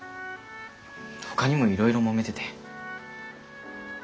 ほかにもいろいろもめてて。